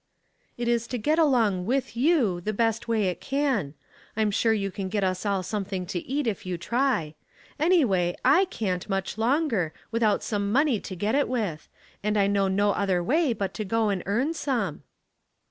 " It is to get along with you the best way it can. I'm sure you can get us all something to eat if you try. Anyway, I can't much longer, without some money to get it with ; and I know no other way but to go and earn some."